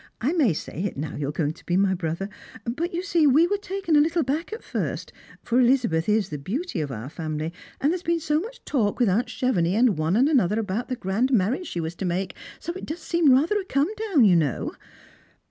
" I may say it now you are going to be my brother. But, you see, we were taken a little aback at first, for Elizabeth is the beauty of our 154 Strangers and Filgrim», family, and there lias been s« much talk with annt Chevenix and one and another about the grand marriage she was to make ; go it does seem rather a come down, you know."